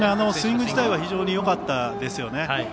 スイング自体は非常によかったですね。